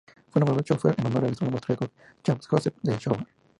Fue nombrado Schober en honor al astrónomo austríaco Hans Josef Schober.